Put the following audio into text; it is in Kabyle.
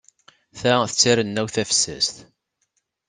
Ta d tarennawt tafessast.